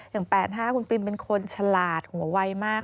อย่าง๘๕คุณปิมเป็นคนฉลาดหัวไวมาก